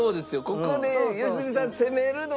ここで良純さん攻めるのか。